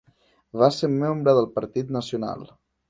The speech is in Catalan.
Va ser membre del Partit Nacional.